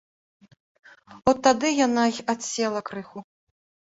От тады яна й адсела крыху.